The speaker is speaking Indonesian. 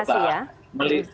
untuk perkembangan demokrasi ya